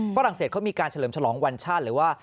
ฝรั่งเศสเขามีการเฉลิมฉลองวันชาติหรือว่า